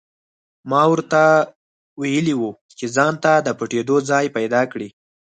ما ورته ویلي وو چې ځانته د پټېدو ځای پیدا کړي